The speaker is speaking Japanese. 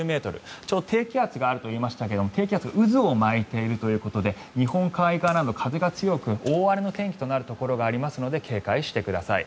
低気圧があるといいましたが低気圧が渦を巻いているということで日本海側など風が強く大荒れの天気となるところがありますので警戒してください。